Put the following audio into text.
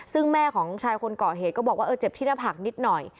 ซึ่งแม่ของชายคนเกาะเหตุก็บอกว่าเออเจ็บที่หน้าผากนิดหน่อย